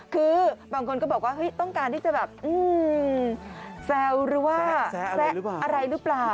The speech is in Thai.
คือบางคนก็บอกต้องการที่จะแบบแซ่อะไรหรือเปล่า